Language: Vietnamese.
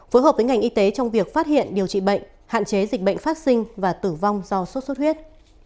phối hợp với ngành y tế trong việc phát hiện điều trị bệnh hạn chế dịch bệnh phát sinh và tử vong do sốt xuất huyết